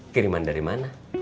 kiriman dari mana